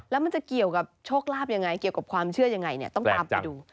แล้วมันจะเกี่ยวกับโชคลาภยังไงเกี่ยวกับความเชื่อยังไงเนี่ยต้องตามไปดู